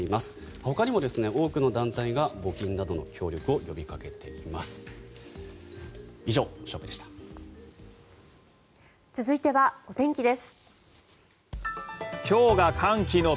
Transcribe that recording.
ほかにも多くの団体が募金などの協力をお天気、片岡さんです。